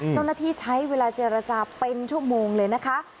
พอในเวลาเจลจาเป็นชั่วโมงเลยนะคะ